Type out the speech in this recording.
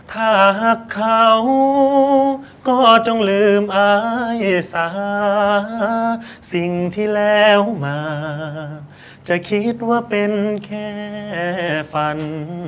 ถ้าหากเขาก็จงลืมอายสาสิ่งที่แล้วมาจะคิดว่าเป็นแค่ฝัน